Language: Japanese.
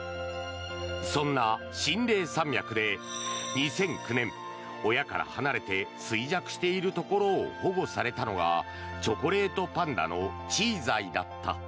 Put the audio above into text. そんな秦嶺山脈で２００９年、親から離れて衰弱しているところを保護されたのがチョコレートパンダのチーザイだった。